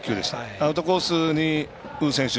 アウトコースに呉選手